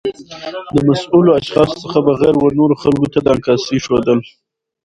د مسؤلو اشخاصو څخه بغیر و نورو خلګو ته د عکاسۍ ښودل